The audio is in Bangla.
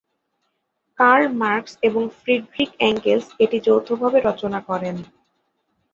কার্ল মার্কস এবং ফ্রিডরিখ এঙ্গেলস এটি যৌথভাবে রচনা করেন।